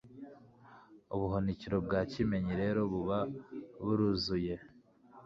ubuhunikiro bwa Kimenyi rero buba buruzuye,